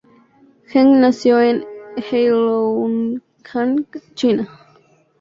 Geng nació en Heilongjiang, China.